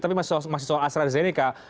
tapi masih soal astrazeneca